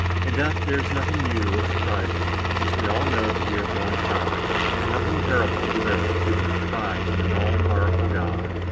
In death there is nothing new, or surprising, since we all know, that we are born to die; and nothing terrible to those, who can confide in an all powerful God.